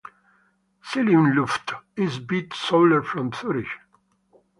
Seelenluft is Beat Soler from Zurich.